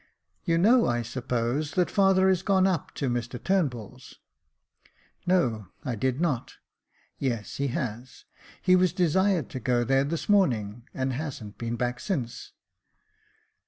*' You know, I suppose, that father is gone up to Mr Turnbull's." "No, I did not." " Yes, he has ; he was desired to go there this morning, and hasn't been back since.